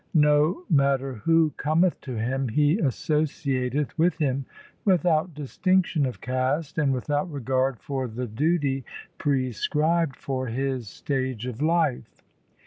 No matter who cometh to him, he associateth with him without distinction of caste and without regard for the duty prescribed for his stage of life.